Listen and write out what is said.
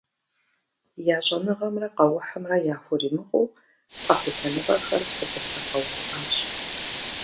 Я щӀэныгъэмрэ къэухьымрэ яхуримыкъуу къэхутэныгъэхэр къызэтрагъэувыӀащ.